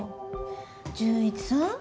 潤一さん。